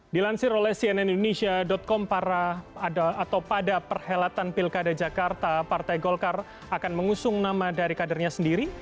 dilansir oleh cnnindonesia com atau pada perhelatan pilkada jakarta partai golkar akan mengusung nama dari kadernya sendiri